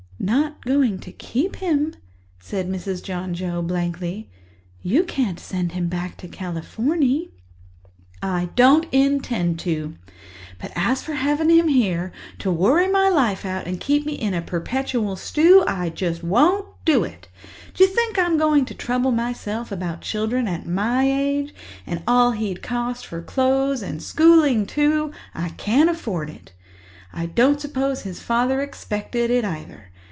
"Not going to keep him?" said Mrs. John Joe blankly. "You can't send him back to Californy!" "I don't intend to. But as for having him here to worry my life out and keep me in a perpetual stew, I just won't do it. D'ye think I'm going to trouble myself about children at my age? And all he'd cost for clothes and schooling, too! I can't afford it. I don't suppose his father expected it either.